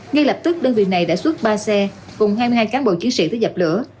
ngay lập tức đơn vị này đã xuất ba xe cùng hai mươi hai cán bộ chiến sĩ tới dập lửa